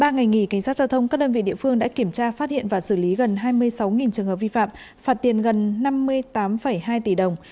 ba ngày nghỉ cảnh sát giao thông các đơn vị địa phương đã kiểm tra phát hiện và xử lý gần hai mươi sáu trường hợp vi phạm phạt tiền gần năm mươi tám hai tỷ đồng